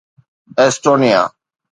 Estonia